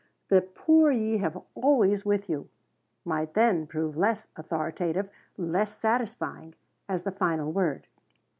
"The poor ye have always with you" might then prove less authoritative less satisfying as the final word.